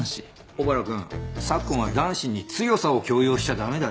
小原くん昨今は男子に強さを強要しちゃ駄目だよ。